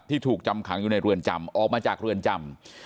ถูกจำขังอยู่ในเรือนจำออกมาจากเรือนจำ